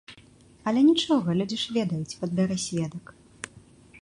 Але нічога, людзі ж ведаюць, падбяры сведак.